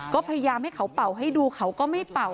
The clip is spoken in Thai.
ก็พยายามให้เขาเป่าให้ดูเขาก็ไม่เป่า